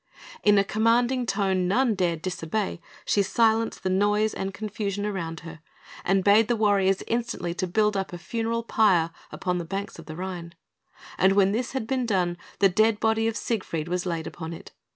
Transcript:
In a commanding tone none dared to disobey she silenced the noise and confusion around her, and bade the warriors instantly to build up a funeral pyre upon the banks of the Rhine; and when this had been done, the dead body of Siegfried was laid upon it.